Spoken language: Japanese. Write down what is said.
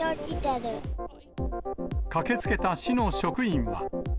駆けつけた市の職員は。